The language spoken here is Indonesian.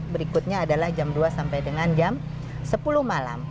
berikutnya adalah jam dua sampai dengan jam sepuluh malam